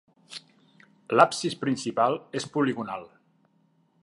L'absis principal és poligonal.